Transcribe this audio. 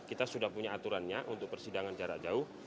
kita sudah punya aturannya untuk persidangan jarak jauh